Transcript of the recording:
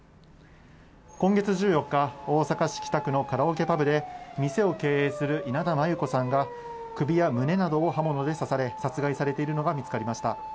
今月１４日、大阪市北区のカラオケパブで、店を経営する稲田真優子さんが、首や胸などを刃物で刺され、殺害されているのが見つかりました。